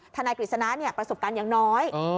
นายกฤษณะประสบการณ์อย่างน้อย